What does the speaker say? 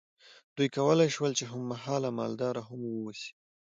دوی کولی شول چې هم مهاله مالدار هم واوسي.